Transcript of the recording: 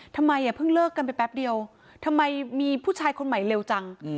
ทำไมเพิ่งเลิกกันไปแป๊บเดียวทำไมมีผู้ชายคนใหม่เร็วจัง